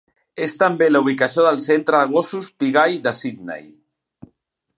És també la ubicació del Centre de gossos pigall de Sydney.